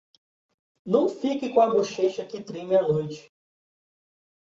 Não fique com a bochecha que treme à noite.